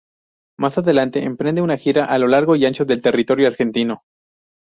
Más adelante emprende una gira a lo largo y ancho del territorio argentino.